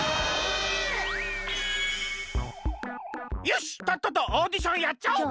よしとっととオーディションやっちゃおう！